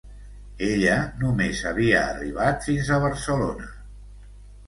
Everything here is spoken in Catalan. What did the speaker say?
Ella només havia arribat fins a Barcelona.